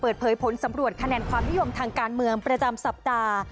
เปิดเผยผลสำรวจคะแนนความนิยมทางการเมืองประจำสัปดาห์